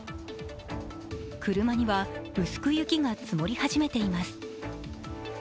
車には薄く雪が積もり始めています。